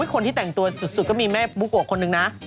คนที่แต่งตัวสุดก็มีแม่บุ๊กโกะคนนึงนะ